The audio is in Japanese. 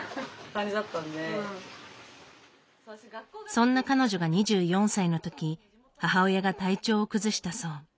そんな彼女が２４歳のとき母親が体調を崩したそう。